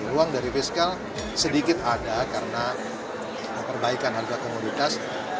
ruang dari fiskal sedikit ada karena perbaikan harga komoditas